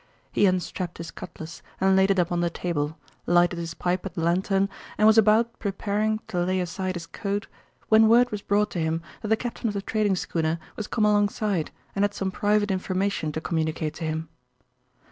He unstrapped his cutlass and laid it upon the table, lighted his pipe at the lanthorn and was about preparing to lay aside his coat when word was brought to him that the captain of the trading schooner was come alongside and had some private information to communicate to him.